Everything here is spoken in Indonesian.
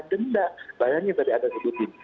denda bayangin tadi ada sebutin